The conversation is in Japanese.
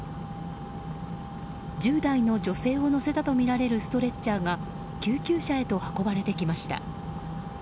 １０代の女性を乗せたとみられるストレッチャーが救急車へと運ばれてきました。